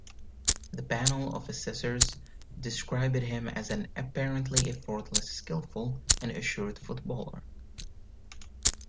The panel of assessors described him as an apparently effortless, skilful and assured footballer.